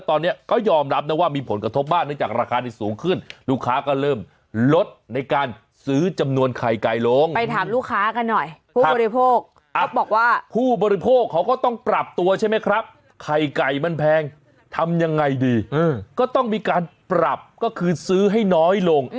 ถ้ามันปรับขึ้นทุกปั๊มมันก็ต้องปรับขึ้น